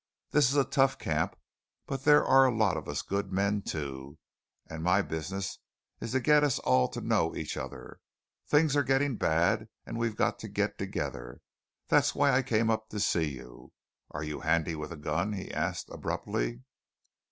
This is a tough camp; but there are a lot of us good men, too, and my business is to get us all to know each other. Things are getting bad, and we've got to get together. That's why I came up to see you. Are you handy with a gun?" he asked abruptly.